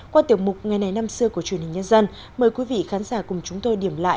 qua tiểu mục ngày này năm xưa của truyền hình nhân dân mời quý vị khán giả cùng chúng tôi điểm lại